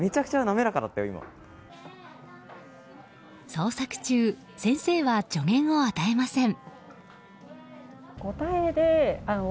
創作中先生は助言を与えません。